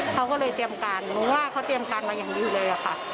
เขาก็เลยเตรียมการรู้ว่าเขาเตรียมการมาอย่างดีเลยอะค่ะ